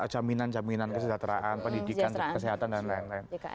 jaminan jaminan kesejahteraan pendidikan kesehatan dan lain lain